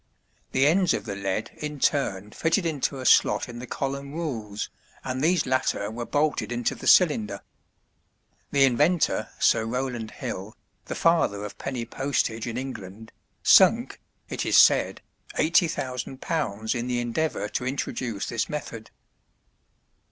The ends of the "lead" in turn fitted into a slot in the column rules, and these latter were bolted into the cylinder. The inventor, Sir Rowland Hill, the father of penny postage in England, sunk, it is said, £80,000 in the endeavor to introduce this method.